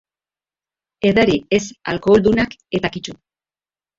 Edari ez alkoholdunak eta kito.